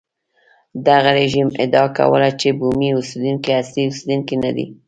دغه رژیم ادعا کوله چې بومي اوسېدونکي اصلي اوسېدونکي نه دي.